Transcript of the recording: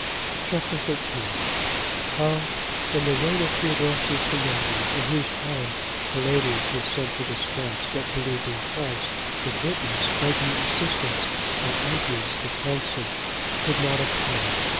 Chap. XIII. How in the reign of Theodosius the younger, in whose time Palladius was sent to the Scots that believed in Christ, the Britons begging assistance of Ætius, the consul, could not obtain it.